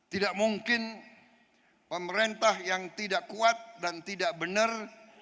tidak mungkin pemerintah yang tidak kuat dan tidak benar